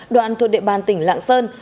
đoạn thuộc địa bàn tỉnh lạng sơn